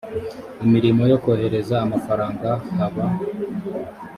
imirimo yo kohereza amafaranga haba